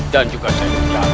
dan juga saya berjaga